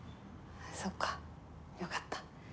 そっかよかった。